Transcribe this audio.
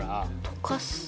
溶かす。